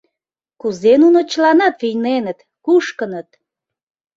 Кузе нуно чыланат вийненыт, кушкыныт!